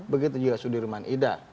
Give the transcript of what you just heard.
begitu juga sudirman ida